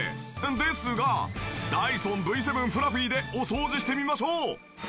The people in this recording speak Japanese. ですがダイソンＶ７フラフィでお掃除してみましょう！